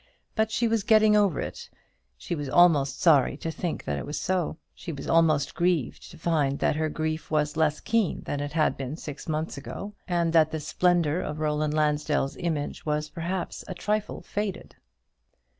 But she was getting over it. She was almost sorry to think that it was so. She was almost grieved to find that her grief was less keen than it had been six months ago, and that the splendour of Roland Lansdell's image was perhaps a trifle faded.